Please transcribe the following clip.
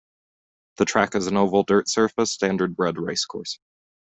The track is an oval dirt surface standardbred race course.